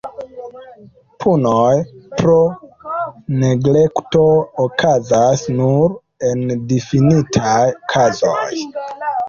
Punoj pro neglekto okazas nur en difinitaj kazoj.